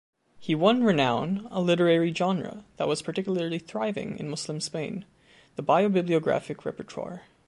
He won renown a literary genre that was particularly thriving in Muslim Spain, the bio-bibliographic repertoire.